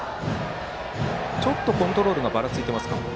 ちょっとコントロールがばらついていますか。